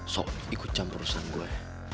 so ikut campurusan gue